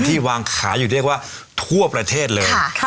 ที่วางขายอยู่ทั่วประเทศเลย